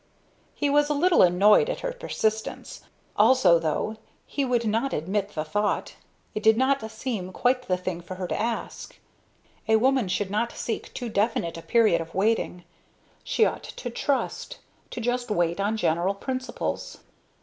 He was a little annoyed at her persistence. Also, though he would not admit the thought, it did not seem quite the thing for her to ask. A woman should not seek too definite a period of waiting. She ought to trust to just wait on general principles.